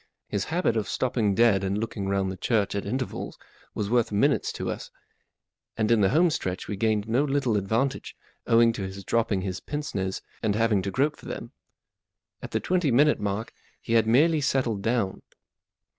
His habit of stopping cburch at P. G. Wodehouse intervals was worth minutes to us, and in the home stretch we gained no little advantage owing to his dropping his pince nez and having to grope for them. At the twenty minute mark he had merely settled down.